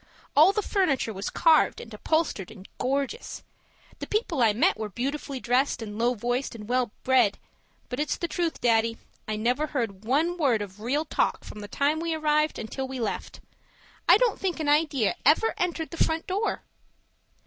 All the furniture was carved and upholstered and gorgeous; the people I met were beautifully dressed and low voiced and well bred, but it's the truth, Daddy, I never heard one word of real talk from the time we arrived until we left. I don't think an idea ever entered the front door.